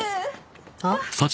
あっ？